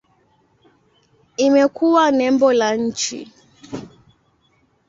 Imekuwa nembo la nchi.